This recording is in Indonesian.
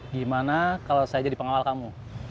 gimana kalau saya jadi pengawal kamu